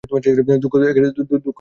দুঃখ পেও না।